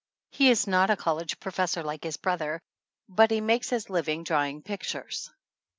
He is not a college professor like his brother, but he makes his living drawing pictures.